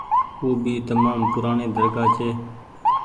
او ڀي تمآم پورآڻي درگآه ڇي۔